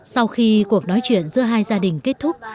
sau khi cuộc nói chuyện giữa hai gia đình kết thúc